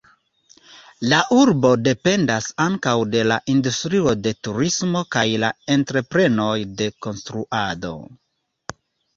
La urbo dependas ankaŭ de la industrio de turismo kaj la entreprenoj de konstruado.